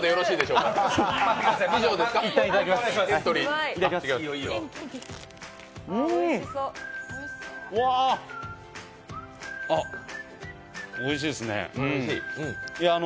うわー、おいしいですね